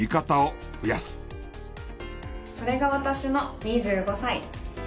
それが私の２５歳。